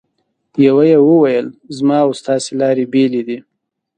یوه یې وویل: زموږ او ستاسې لارې بېلې دي.